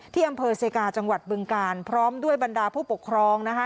ที่อำเภอเซกาจังหวัดบึงกาลพร้อมด้วยบรรดาผู้ปกครองนะคะ